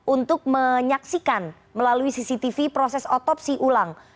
untuk menyaksikan melalui cctv proses otopsi ulang